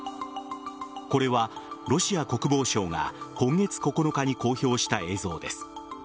これは、ロシア国防省が今月９日に公表した映像です。